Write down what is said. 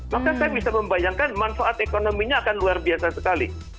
maka saya bisa membayangkan manfaat ekonominya akan luar biasa sekali